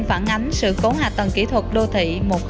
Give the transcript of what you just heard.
phản ánh sự cố hạ tầng kỹ thuật đô thị một nghìn hai mươi hai